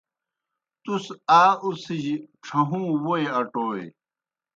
تُس آ اُڅِھجیْ ڇھہُوں ووئی اٹَوئے۔